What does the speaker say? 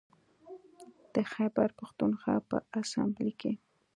د خیبر پښتونخوا په اسامبلۍ کې